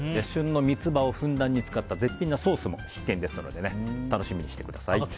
旬の三つ葉をふんだんに使った絶品なソースも必見ですので楽しみにしてください。